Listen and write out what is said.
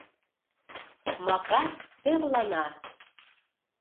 Макар тӧрлана.